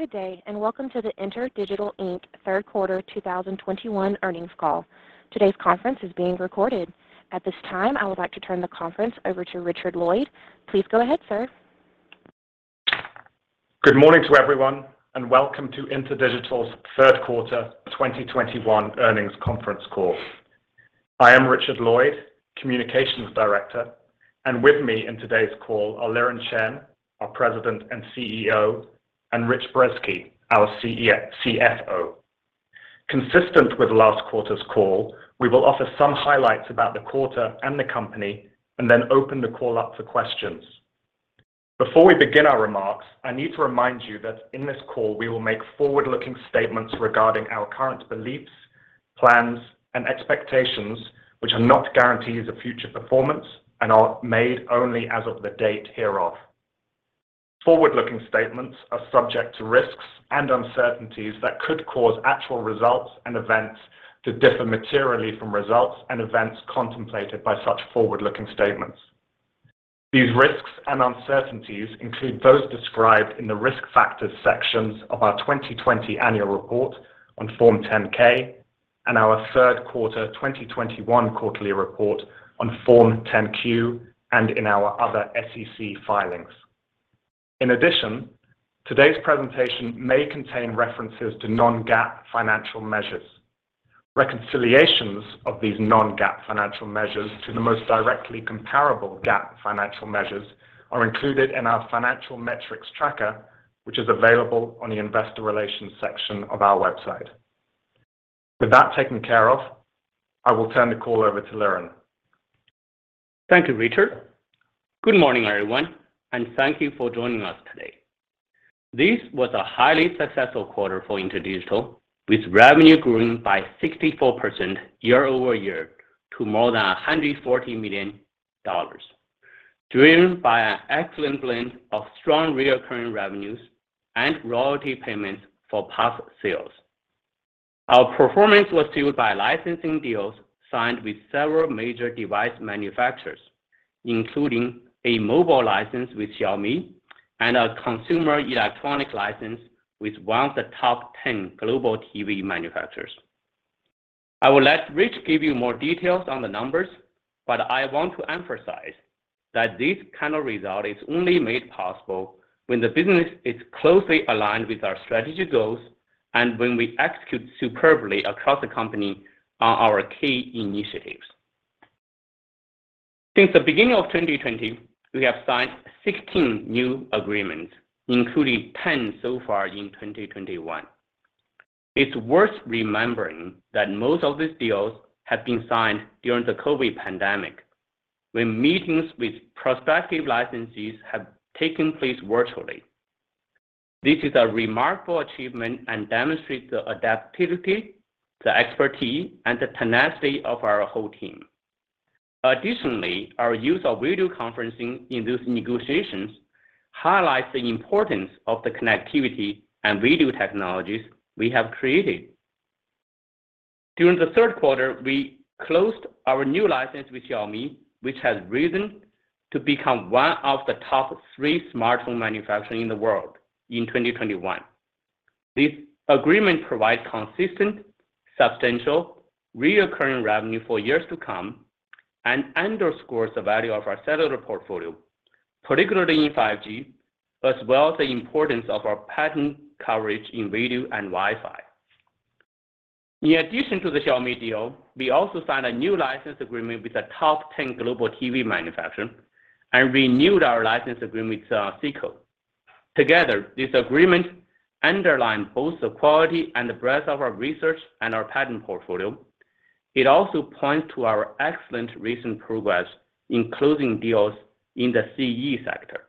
Good day, and welcome to the InterDigital, Inc. Q3 2021 earnings call. Today's conference is being recorded. At this time, I would like to turn the conference over to Richard Lloyd. Please go ahead, sir. Good morning to everyone, and welcome to InterDigital's Q3 2021 earnings conference call. I am Richard Lloyd, Communications Director, and with me in today's call are Liren Chen, our President and CEO, and Rich Brezski, our CFO. Consistent with last quarter's call, we will offer some highlights about the quarter and the company and then open the call up for questions. Before we begin our remarks, I need to remind you that in this call we will make forward-looking statements regarding our current beliefs, plans, and expectations, which are not guarantees of future performance and are made only as of the date hereof. Forward-looking statements are subject to risks and uncertainties that could cause actual results and events to differ materially from results and events contemplated by such forward-looking statements. These risks and uncertainties include those described in the Risk Factors sections of our 2020 annual report on Form 10-K and our Q3 2021 quarterly report on Form 10-Q and in our other SEC filings. In addition, today's presentation may contain references to non-GAAP financial measures. Reconciliations of these non-GAAP financial measures to the most directly comparable GAAP financial measures are included in our financial metrics tracker, which is available on the investor relations section of our website. With that taken care of, I will turn the call over to Liren. Thank you, Richard. Good morning, everyone, and thank you for joining us today. This was a highly successful quarter for InterDigital, with revenue growing by 64% year-over-year to more than $140 million, driven by an excellent blend of strong recurring revenues and royalty payments for past sales. Our performance was fueled by licensing deals signed with several major device manufacturers, including a mobile license with Xiaomi and a consumer electronic license with one of the top ten global TV manufacturers. I will let Rich give you more details on the numbers, but I want to emphasize that this kind of result is only made possible when the business is closely aligned with our strategy goals and when we execute superbly across the company on our key initiatives. Since the beginning of 2020, we have signed 16 new agreements, including 10 so far in 2021. It's worth remembering that most of these deals have been signed during the COVID pandemic, when meetings with prospective licensees have taken place virtually. This is a remarkable achievement and demonstrates the adaptability, the expertise, and the tenacity of our whole team. Additionally, our use of video conferencing in those negotiations highlights the importance of the connectivity and video technologies we have created. During the Q3, we closed our new license with Xiaomi, which has risen to become one of the top three smartphone manufacturers in the world in 2021. This agreement provides consistent, substantial, recurring revenue for years to come and underscores the value of our cellular portfolio, particularly in 5G, as well as the importance of our patent coverage in radio and Wi-Fi. In addition to the Xiaomi deal, we also signed a new license agreement with a top ten global TV manufacturer and renewed our license agreement with Seiko. Together, this agreement underlines both the quality and the breadth of our research and our patent portfolio. It also points to our excellent recent progress in closing deals in the CE sector.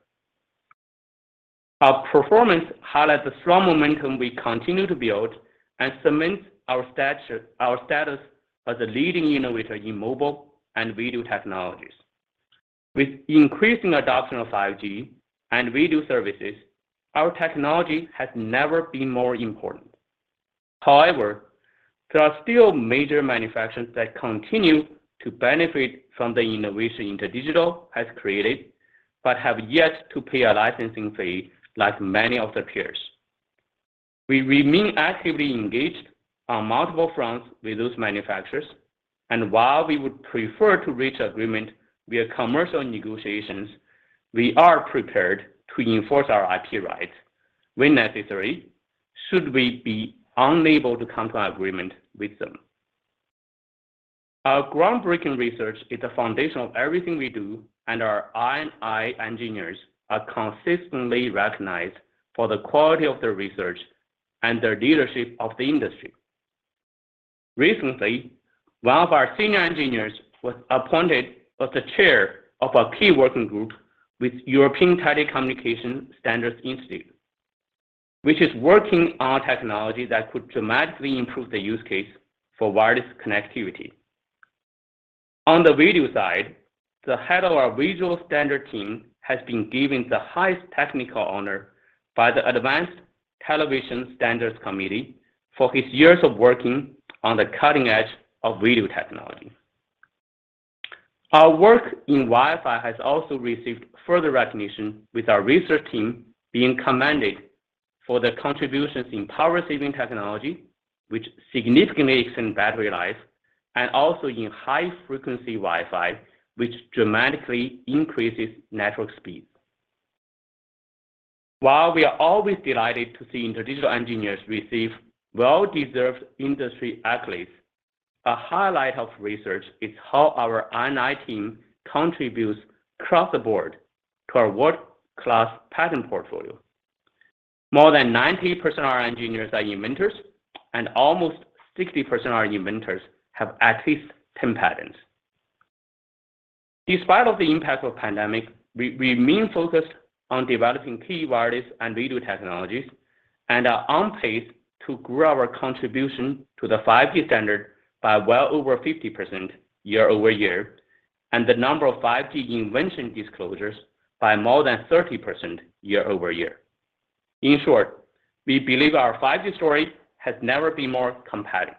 Our performance highlights the strong momentum we continue to build and cements our status as a leading innovator in mobile and video technologies. With increasing adoption of 5G and video services, our technology has never been more important. However, there are still major manufacturers that continue to benefit from the innovation InterDigital has created, but have yet to pay a licensing fee, like many of their peers. We remain actively engaged on multiple fronts with those manufacturers, and while we would prefer to reach agreement via commercial negotiations, we are prepared to enforce our IP rights when necessary, should we be unable to come to agreement with them. Our groundbreaking research is the foundation of everything we do, and our R&I engineers are consistently recognized for the quality of their research and their leadership of the industry. Recently, one of our senior engineers was appointed as the chair of a key working group with European Telecommunications Standards Institute, which is working on technology that could dramatically improve the use case for wireless connectivity. On the video side, the head of our visual standard team has been given the highest technical honor by the Advanced Television Systems Committee for his years of working on the cutting edge of video technology. Our work in Wi-Fi has also received further recognition with our research team being commended for their contributions in power saving technology, which significantly extends battery life, and also in high frequency Wi-Fi, which dramatically increases network speed. While we are always delighted to see InterDigital engineers receive well-deserved industry accolades, a highlight of research is how our R&I team contributes across the board to our world-class patent portfolio. More than 90% of our engineers are inventors, and almost 60% of our inventors have at least 10 patents. In spite of the impact of pandemic, we remain focused on developing key wireless and video technologies, and are on pace to grow our contribution to the 5G standard by well over 50% year-over-year, and the number of 5G invention disclosures by more than 30% year-over-year. In short, we believe our 5G story has never been more compelling.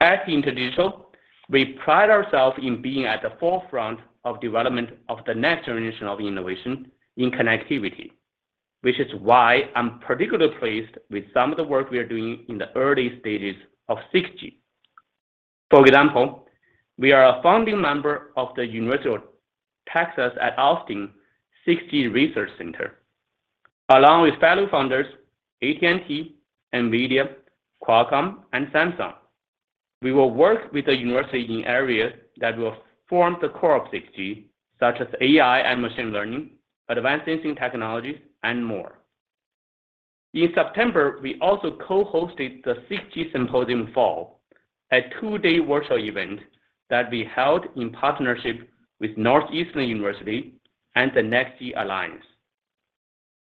At InterDigital, we pride ourselves in being at the forefront of development of the next generation of innovation in connectivity. Which is why I'm particularly pleased with some of the work we are doing in the early stages of 6G. For example, we are a founding member of the University of Texas at Austin 6G Research Center, along with fellow founders AT&T, NVIDIA, Qualcomm and Samsung. We will work with the university in areas that will form the core of 6G, such as AI and machine learning, advanced sensing technologies and more. In September, we also co-hosted the 6G Symposium Fall, a two-day virtual event that we held in partnership with Northeastern University and the Next G Alliance.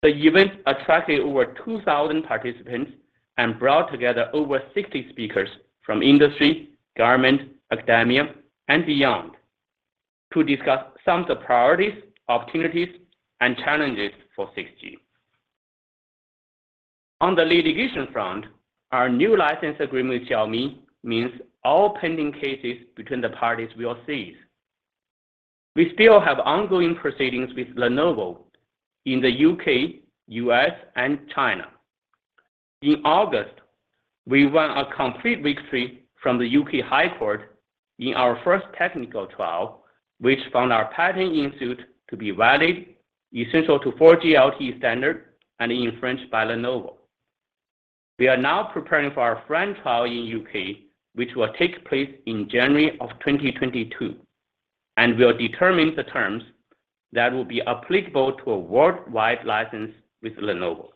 The event attracted over 2,000 participants and brought together over 60 speakers from industry, government, academia and beyond to discuss some of the priorities, opportunities and challenges for 6G. On the litigation front, our new license agreement with Xiaomi means all pending cases between the parties will cease. We still have ongoing proceedings with Lenovo in the U.K., U.S. and China. In August, we won a complete victory from the U.K. High Court in our first technical trial, which found our patent in suit to be valid, essential to 4G LTE standard and infringed by Lenovo. We are now preparing for our FRAND trial in U.K., which will take place in January 2022, and will determine the terms that will be applicable to a worldwide license with Lenovo.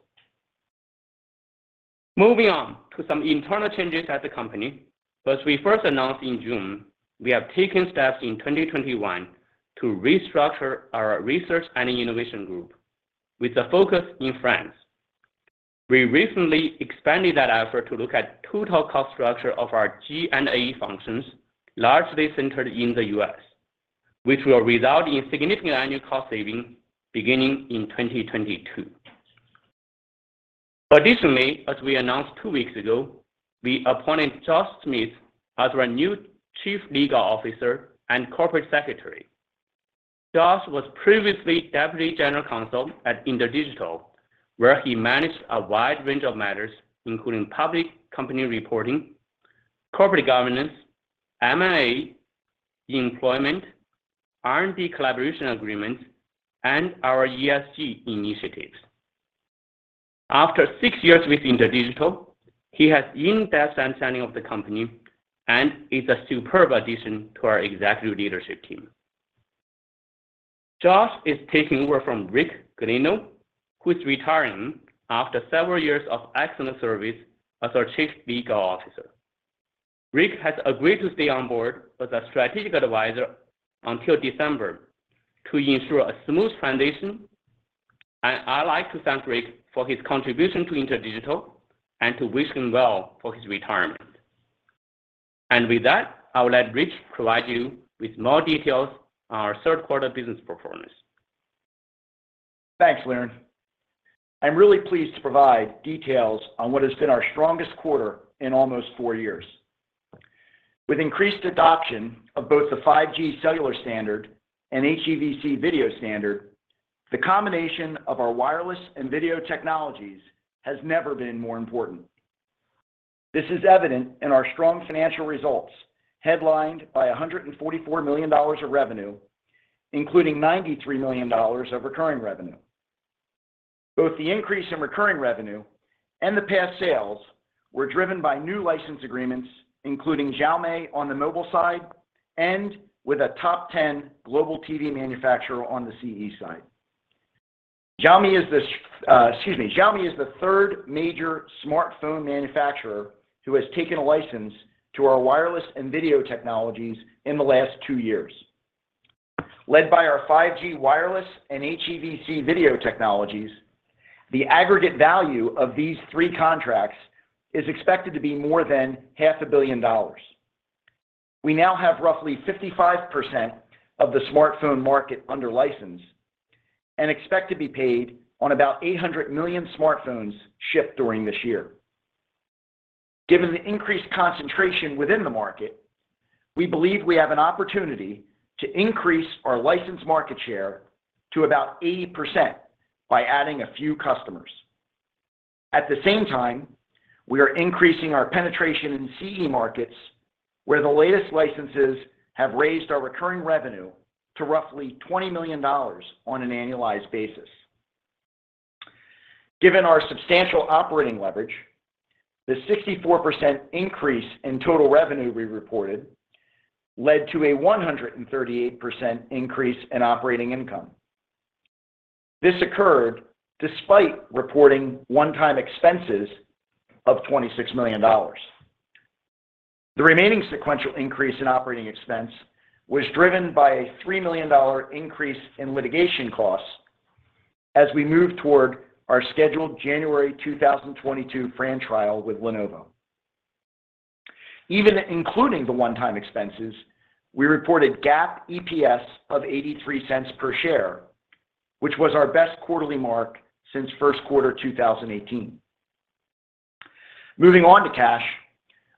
Moving on to some internal changes at the company. As we first announced in June, we have taken steps in 2021 to restructure our research and innovation group with a focus in France. We recently expanded that effort to look at total cost structure of our G&A functions, largely centered in the U.S., which will result in significant annual cost savings beginning in 2022. Additionally, as we announced two weeks ago, we appointed Josh Schmidt as our new Chief Legal Officer and Corporate Secretary. Josh was previously Deputy General Counsel at InterDigital, where he managed a wide range of matters, including public company reporting, corporate governance, M&A, employment, R&D collaboration agreements, and our ESG initiatives. After six years with InterDigital, he has in-depth understanding of the company and is a superb addition to our executive leadership team. Josh is taking over from Rick Gulino, who is retiring after several years of excellent service as our Chief Legal Officer. Rick has agreed to stay on board as a strategic advisor until December to ensure a smooth transition, and I like to thank Rick for his contribution to InterDigital and to wish him well for his retirement. With that, I will let Rich provide you with more details on our Q3 business performance. Thanks, Liren. I'm really pleased to provide details on what has been our strongest quarter in almost four years. With increased adoption of both the 5G cellular standard and HEVC video standard, the combination of our wireless and video technologies has never been more important. This is evident in our strong financial results, headlined by $144 million of revenue, including $93 million of recurring revenue. Both the increase in recurring revenue and the past sales was driven by new license agreements, including Xiaomi on the mobile side and with a top ten global TV manufacturer on the CE side. Xiaomi is the third major smartphone manufacturer who has taken a license to our wireless and video technologies in the last two years. Led by our 5G wireless and HEVC video technologies, the aggregate value of these three contracts is expected to be more than $ half a billion. We now have roughly 55% of the smartphone market under license and expect to be paid on about 800 million smartphones shipped during this year. Given the increased concentration within the market, we believe we have an opportunity to increase our licensed market share to about 80% by adding a few customers. At the same time, we are increasing our penetration in CE markets, where the latest licenses have raised our recurring revenue to roughly $20 million on an annualized basis. Given our substantial operating leverage, the 64% increase in total revenue we reported led to a 138% increase in operating income. This occurred despite reporting one-time expenses of $26 million. The remaining sequential increase in operating expense was driven by a $3 million increase in litigation costs as we move toward our scheduled January 2022 FRAND trial with Lenovo. Even including the one-time expenses, we reported GAAP EPS of $0.83 per share, which was our best quarterly mark since Q1 2018. Moving on to cash.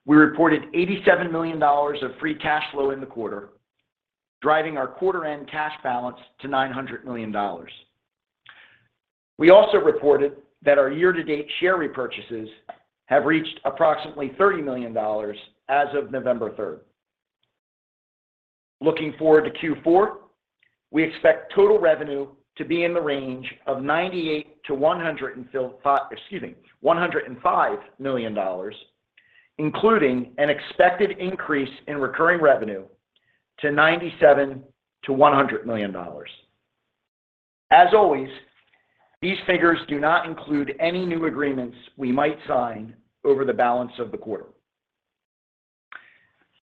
We reported $87 million of free cash flow in the quarter, driving our quarter end cash balance to $900 million. We also reported that our year-to-date share repurchases have reached approximately $30 million as of November 3rd. Looking forward to Q4, we expect total revenue to be in the range of $98 -$105 million, including an expected increase in recurring revenue to $97 -$100 million. As always, these figures do not include any new agreements we might sign over the balance of the quarter.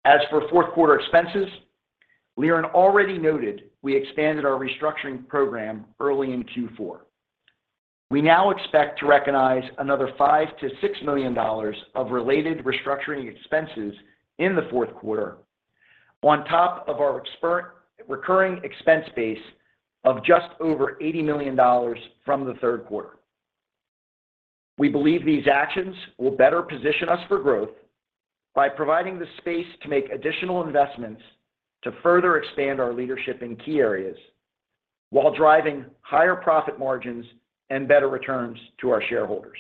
As for fourth quarter expenses, Liren already noted we expanded our restructuring program early in Q4. We now expect to recognize another $5 million-$6 million of related restructuring expenses in the fourth quarter on top of our expected recurring expense base of just over $80 million from the Q3. We believe these actions will better position us for growth by providing the space to make additional investments to further expand our leadership in key areas while driving higher profit margins and better returns to our shareholders.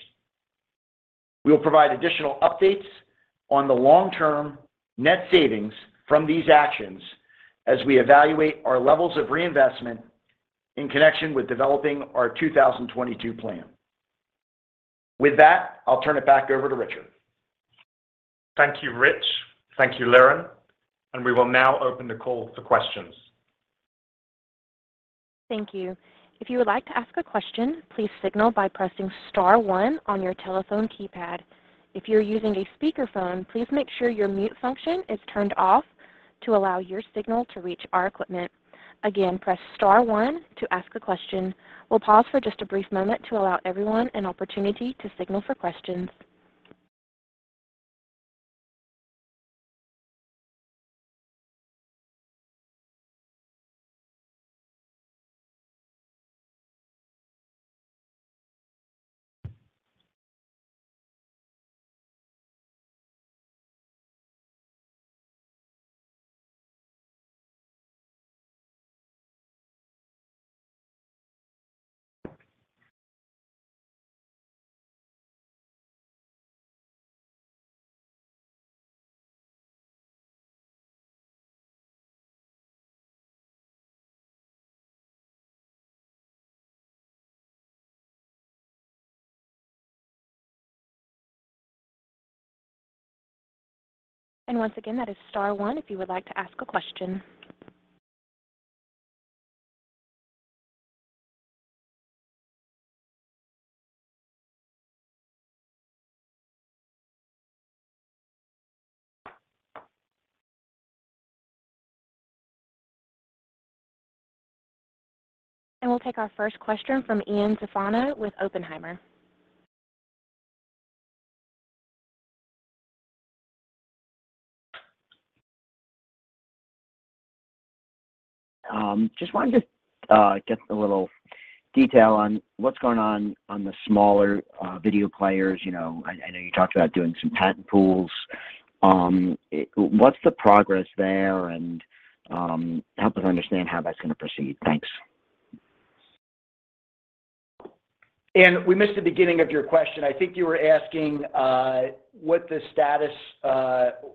We will provide additional updates on the long-term net savings from these actions as we evaluate our levels of reinvestment in connection with developing our 2022 plan. With that, I'll turn it back over to Richard. Thank you, Rich. Thank you, Liren, and we will now open the call for questions. Thank you. If you would like to ask a question, please signal by pressing star one on your telephone keypad. If you're using a speakerphone, please make sure your mute function is turned off to allow your signal to reach our equipment. Again, press star one to ask a question. We'll pause for just a brief moment to allow everyone an opportunity to signal for questions. Once again, that is star one if you would like to ask a question. We'll take our first question from Ian Zaffino with Oppenheimer. Just wanted to get a little detail on what's going on the smaller video players. You know, I know you talked about doing some patent pools. What's the progress there? Help us understand how that's going to proceed. Thanks. Ian, we missed the beginning of your question. I think you were asking what the status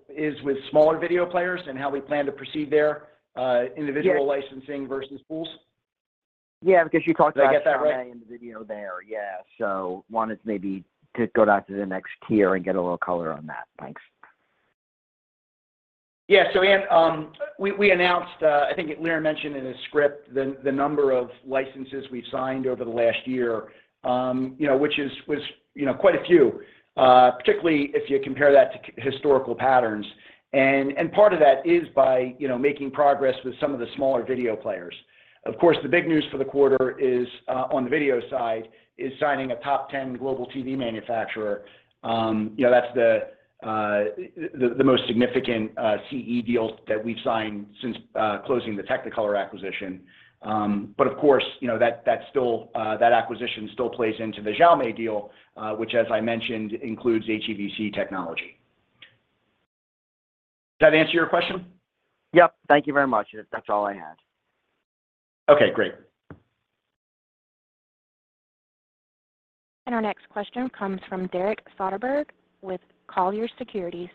is with smaller video players and how we plan to proceed there, individual- Yes. licensing versus pools. Yeah, because you talked about. Did I get that right? Xiaomi and the video there. Yeah. Wanted to maybe go down to the next tier and get a little color on that. Thanks. Yeah. Ian, we announced. I think Liren mentioned in his script the number of licenses we've signed over the last year, you know, which was, you know, quite a few, particularly if you compare that to key historical patterns. Part of that is by, you know, making progress with some of the smaller video players. Of course, the big news for the quarter is on the video side, signing a top ten global TV manufacturer. You know, that's the most significant CE deals that we've signed since closing the Technicolor acquisition. Of course, you know, that acquisition still plays into the Xiaomi deal, which as I mentioned, includes HEVC technology. Did that answer your question? Yep. Thank you very much. That's all I had. Okay, great. Our next question comes from Derek Soderberg with Colliers Securities.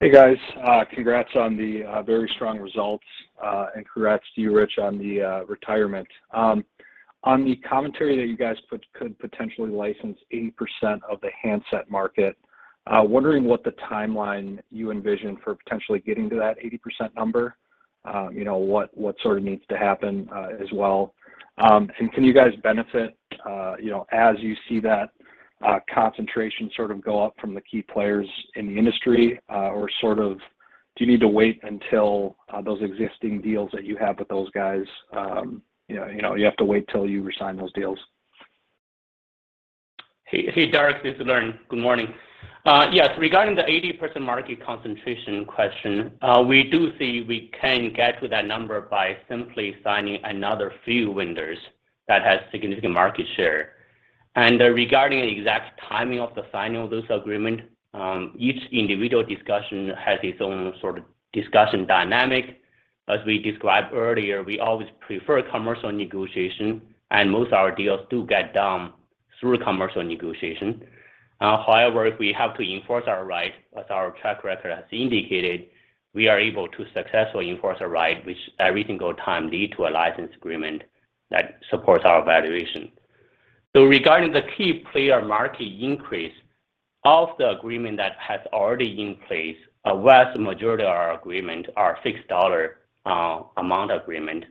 Hey, guys. Congrats on the very strong results, and congrats to you, Rich, on the retirement. On the commentary that you guys could potentially license 80% of the handset market, wondering what the timeline you envision for potentially getting to that 80% number. You know, what sort of needs to happen, as well? And can you guys benefit, you know, as you see that concentration sort of go up from the key players in the industry, or sort of do you need to wait until those existing deals that you have with those guys, you know, you have to wait till you re-sign those deals? Hey, hey, Derek. This is Liren Chen. Good morning. Yes, regarding the 80% market concentration question, we do see we can get to that number by simply signing another few vendors that has significant market share. Regarding the exact timing of the signing of this agreement, each individual discussion has its own sort of discussion dynamic. As we described earlier, we always prefer commercial negotiation, and most our deals do get done through commercial negotiation. However, if we have to enforce our right, as our track record has indicated, we are able to successfully enforce our right, which every single time lead to a license agreement that supports our valuation. Regarding the key player market increase, of the agreement that has already in place, a vast majority of our agreement are fixed dollar amount agreement.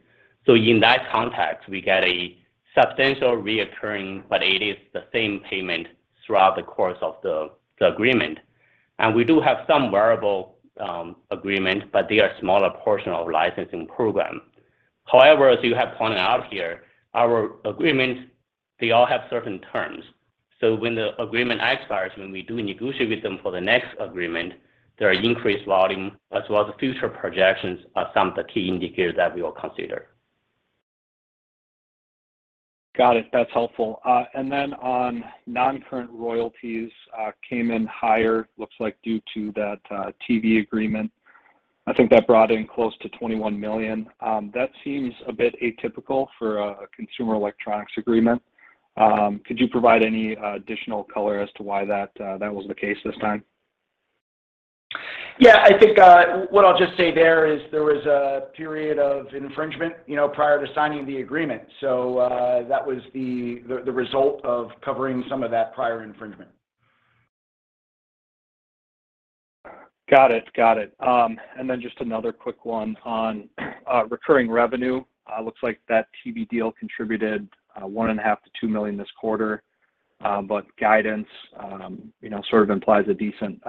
In that context, we get a substantial recurring, but it is the same payment throughout the course of the agreement. We do have some variable agreement, but they are smaller portion of licensing program. However, as you have pointed out here, our agreement, they all have certain terms. When the agreement expires, when we do negotiate with them for the next agreement, their increased volume as well as future projections are some of the key indicators that we will consider. Got it. That's helpful. On non-current royalties, came in higher, looks like due to that TV agreement. I think that brought in close to $21 million. That seems a bit atypical for a consumer electronics agreement. Could you provide any additional color as to why that was the case this time? Yeah. I think what I'll just say there is there was a period of infringement, you know, prior to signing the agreement. That was the result of covering some of that prior infringement. Got it. Just another quick one on recurring revenue. Looks like that TV deal contributed $1.5 million-$2 million this quarter. But guidance, you know, sort of implies a decent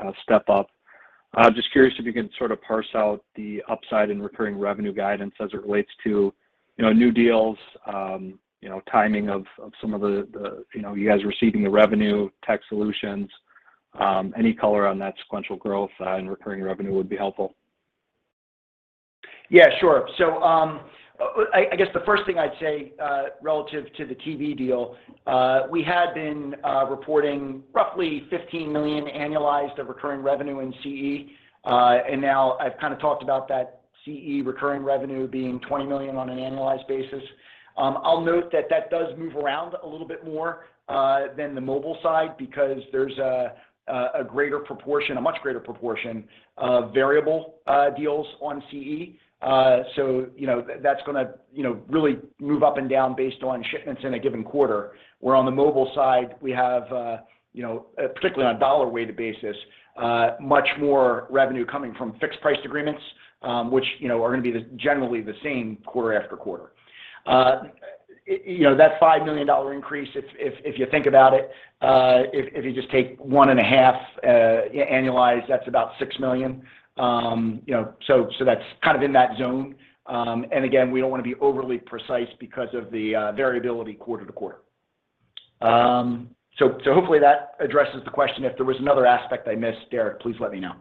step-up. Just curious if you can sort of parse out the upside in recurring revenue guidance as it relates to, you know, new deals, you know, timing of some of the, you know, you guys receiving the revenue, tech solutions. Any color on that sequential growth and recurring revenue would be helpful. Yeah, sure. I guess the first thing I'd say relative to the TV deal, we had been reporting roughly $15 million annualized of recurring revenue in CE. Now I've kinda talked about that CE recurring revenue being $20 million on an annualized basis. I'll note that that does move around a little bit more than the mobile side because there's a greater proportion, a much greater proportion of variable deals on CE. You know, that's going to really move up and down based on shipments in a given quarter. Where on the mobile side, we have, you know, particularly on a dollar weighted basis, much more revenue coming from fixed price agreements, which, you know, are going to be generally the same quarter after quarter. You know, that $5 million increase, if you think about it, if you just take 1.5 annualized, that's about $6 million. You know, so that's kind of in that zone. And again, we don't want to be overly precise because of the variability quarter to quarter. So hopefully that addresses the question. If there was another aspect I missed, Derek, please let me know.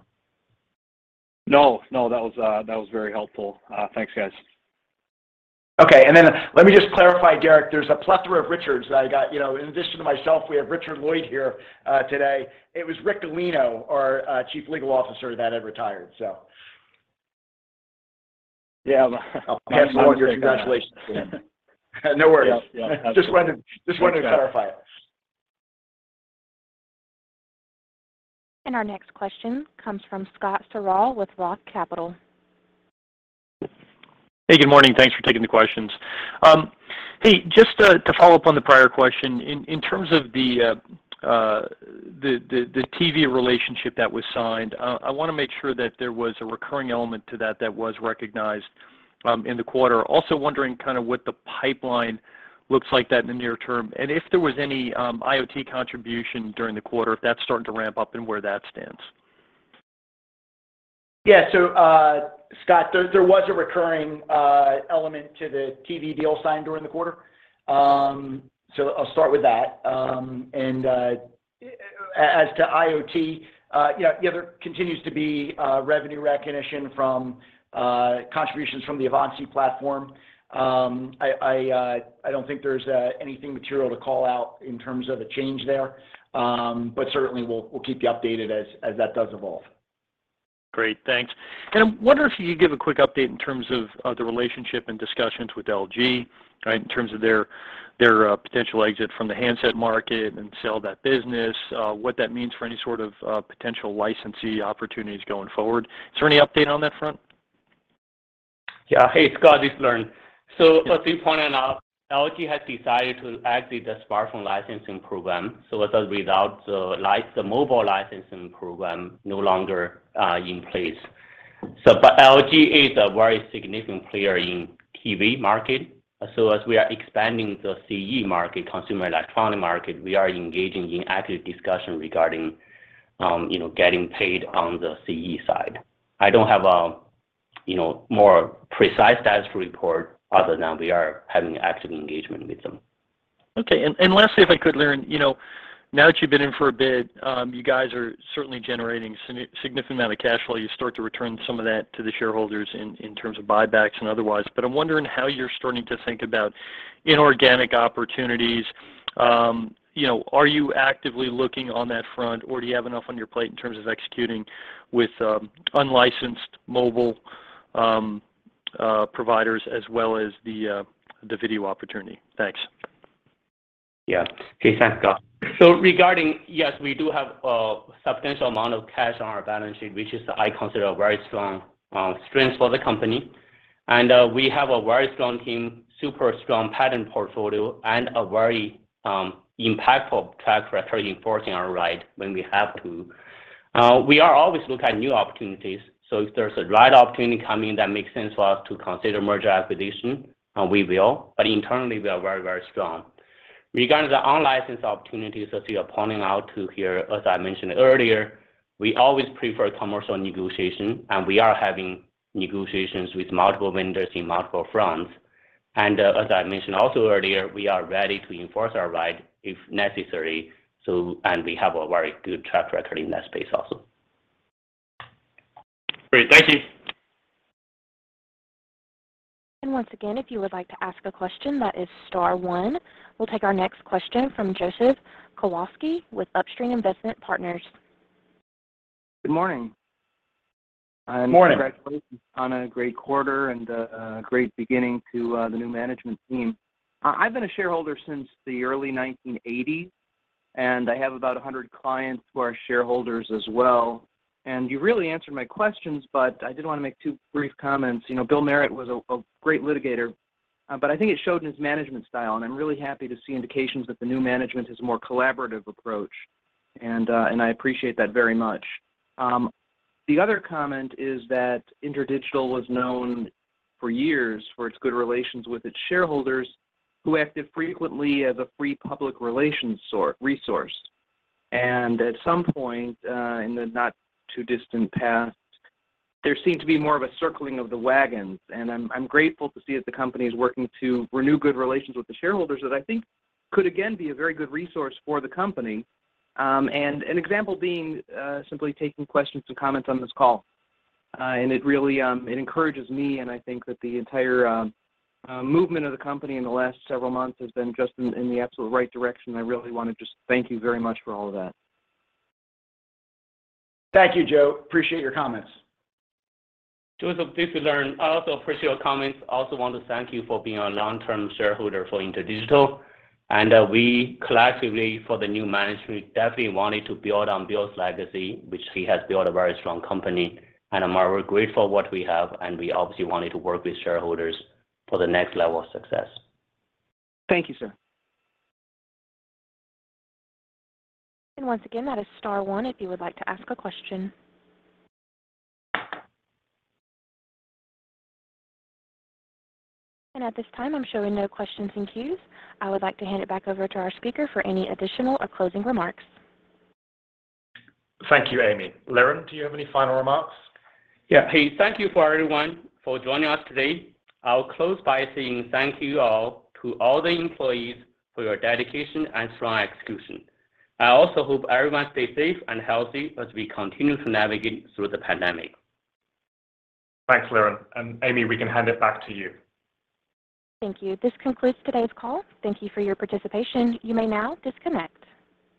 No, no, that was very helpful. Thanks, guys. Okay. Let me just clarify, Derek. There's a plethora of Richards that I got, you know. In addition to myself, we have Richard Lloyd here today. It was Richard Gulino, our Chief Legal Officer that had retired, so. Yeah. My mistake on that. Hence I want your congratulations. No worries. Yep. Yep. Absolutely. Just wanted to clarify. Our next question comes from Scott Searle with ROTH Capital. Hey, good morning. Thanks for taking the questions. Hey, just to follow up on the prior question. In terms of the TV relationship that was signed, I want to make sure that there was a recurring element to that that was recognized in the quarter. Also wondering kind of what the pipeline looks like that in the near term, and if there was any IoT contribution during the quarter, if that's starting to ramp up and where that stands. Yeah, Scott, there was a recurring element to the TV deal signed during the quarter. I'll start with that. As to IoT, yeah, there continues to be revenue recognition from contributions from the Avanci platform. I don't think there's anything material to call out in terms of a change there. Certainly, we'll keep you updated as that does evolve. Great. Thanks. I'm wondering if you could give a quick update in terms of the relationship and discussions with LG, right? In terms of their potential exit from the handset market and sell that business, what that means for any sort of potential licensee opportunities going forward. Is there any update on that front? Yeah. Hey, Scott, this is Liren. As you pointed out, LG has decided to exit the smartphone licensing program. As a result, the mobile licensing program no longer in place. LG is a very significant player in TV market. As we are expanding the CE market, consumer electronic market, we are engaging in active discussion regarding, you know, getting paid on the CE side. I don't have a, you know, more precise status to report other than we are having active engagement with them. Okay. Lastly, if I could, Liren, you know, now that you've been in for a bit, you guys are certainly generating significant amount of cash flow. You start to return some of that to the shareholders in terms of buybacks and otherwise. I'm wondering how you're starting to think about inorganic opportunities. You know, are you actively looking on that front, or do you have enough on your plate in terms of executing with unlicensed mobile, the providers as well as the video opportunity? Thanks. Yeah. Okay. Thanks, Scott. Regarding, yes, we do have a substantial amount of cash on our balance sheet, which is I consider a very strong strength for the company. We have a very strong team, super strong patent portfolio, and a very impactful track record enforcing our right when we have to. We are always looking at new opportunities. If there's a right opportunity coming that makes sense for us to consider merger acquisition, we will. Internally, we are very, very strong. Regarding the on-license opportunities as you're pointing out to here, as I mentioned earlier, we always prefer commercial negotiation, and we are having negotiations with multiple vendors in multiple fronts. As I mentioned also earlier, we are ready to enforce our right if necessary, and we have a very good track record in that space also. Great. Thank you. Once again, if you would like to ask a question, that is star one. We'll take our next question from Joseph Kowalski with Upstream Investment Partners. Good morning. Morning. Congratulations on a great quarter and a great beginning to the new management team. I've been a shareholder since the early 1980, and I have about 100 clients who are shareholders as well. You really answered my questions, but I did want to make two brief comments. You know, Bill Merritt was a great litigator, but I think it showed in his management style, and I'm really happy to see indications that the new management has a more collaborative approach. I appreciate that very much. The other comment is that InterDigital was known for years for its good relations with its shareholders who acted frequently as a free public relations resource. At some point in the not too distant past, there seemed to be more of a circling of the wagons. I'm grateful to see that the company is working to renew good relations with the shareholders that I think could again be a very good resource for the company. An example being simply taking questions and comments on this call. It really encourages me, and I think that the entire movement of the company in the last several months has been just in the absolute right direction. I really want to just thank you very much for all of that. Thank you, Joe. Appreciate your comments. Joseph, this is Liren. I also appreciate your comments. I also want to thank you for being a long-term shareholder for InterDigital. We collectively, for the new management, definitely wanted to build on Bill's legacy, which he has built a very strong company. We're grateful for what we have, and we obviously wanted to work with shareholders for the next level of success. Thank you, sir. Once again, that is star one if you would like to ask a question. At this time, I'm showing no questions in queues. I would like to hand it back over to our speaker for any additional or closing remarks. Thank you, Amy. Liren, do you have any final remarks? Yeah. Hey, thank you for everyone for joining us today. I'll close by saying thank you all to all the employees for your dedication and strong execution. I also hope everyone stay safe and healthy as we continue to navigate through the pandemic. Thanks, Liren. Amy, we can hand it back to you. Thank you. This concludes today's call. Thank you for your participation. You may now disconnect.